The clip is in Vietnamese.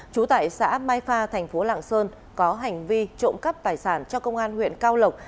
trú tại xã mai pha thành phố lạng sơn có hành vi trộm cắp tài sản cho công an huyện cao lộc